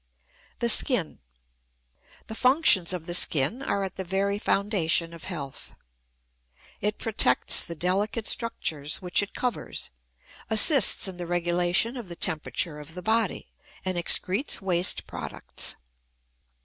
THE SKIN. The functions of the skin are at the very foundation of health. It protects the delicate structures which it covers, assists in the regulation of the temperature of the body, and excretes waste products.